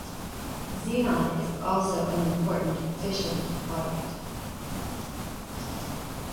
Xe is also an important fission product.